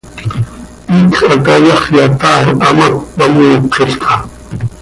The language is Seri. Iicx hatayaxyat áa, hamác cöhamootlolca.